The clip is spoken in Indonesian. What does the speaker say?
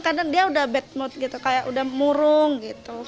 kadang dia udah bad mood gitu kayak udah murung gitu